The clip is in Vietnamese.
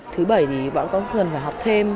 thứ bảy thì bọn con thường phải học thêm